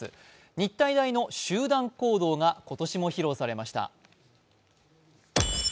日体大の集団行動が今年も披露されました。